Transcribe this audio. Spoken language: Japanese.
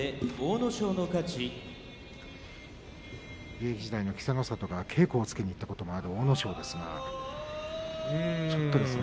現役時代の稀勢の里が稽古をつけにいったこともある阿武咲ですが。